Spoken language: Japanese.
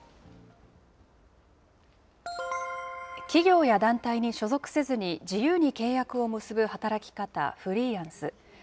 企業や団体に所属せずに、自由に契約を結ぶ働き方、フリーランス。